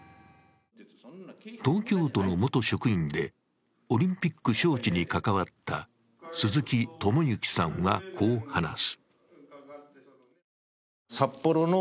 東京都の元職員でオリンピック招致に関わった鈴木知幸さんは、こう話す。